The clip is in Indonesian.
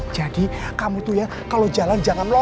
jadi kamu tuh ya kalau jalan jangan lompat